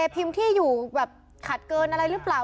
พิมพ์ที่อยู่แบบขัดเกินอะไรหรือเปล่า